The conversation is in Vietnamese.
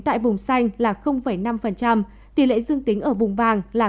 tại vùng xanh là năm tỷ lệ dương tính ở vùng vàng là